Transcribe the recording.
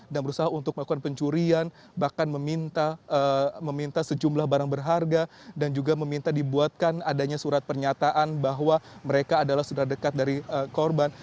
dan berusaha untuk melakukan pencurian bahkan meminta sejumlah barang berharga dan juga meminta dibuatkan adanya surat pernyataan bahwa mereka adalah saudara dekat dari korban